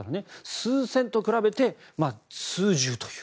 数千と比べて、数十という。